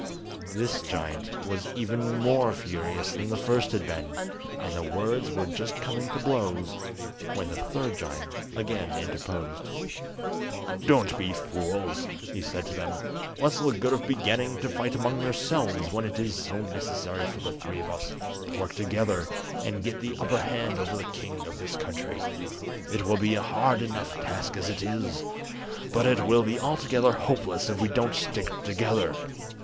This giant was even more furious than the first had been, and words were just coming to blows, when the third giant again interposed. "Don't be fools," he said to them; "what's the good of beginning to fight among ourselves, when it is so necessary for the three of us to work together and get the upper hand over the king of this country. It will be a hard enough task as it is, but it will be altogether hopeless if we don't stick together.